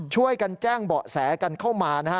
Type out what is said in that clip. ช่วยกันแจ้งเบาะแสกันเข้ามานะฮะ